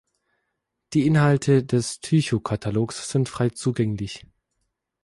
Die Inhalte des Tycho-Katalogs sind frei zugänglich.